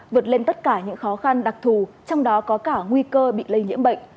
vượt lên tất cả những khó khăn đặc thù trong đó có cả nguy cơ bị lây nhiễm bệnh